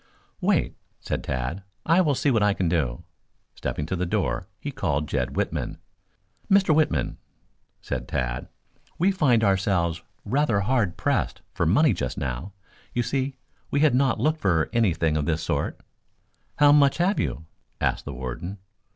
"Wait," said Tad. "I will see what I can do." Stepping to the door he called Jed Whitman. "Mr. Whitman," said Tad, "We find ourselves rather hard pressed for money just now. You see, we had not looked for anything of this sort." "How much have you?" asked the Warden.